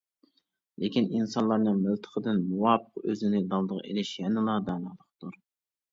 لېكىن ئىنسانلارنىڭ مىلتىقىدىن مۇۋاپىق ئۆزىنى دالدىغا ئېلىش يەنىلا دانالىقتۇر.